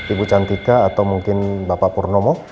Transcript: ibu cantika atau mungkin bapak purnomo